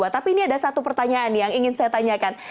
tapi ini ada satu pertanyaan yang ingin saya tanyakan